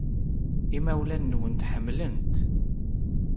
Imawlan-nwent ḥemmlen-t.